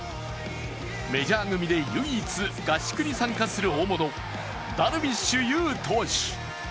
メジャー組で唯一合宿に参加する大物、ダルビッシュ有投手。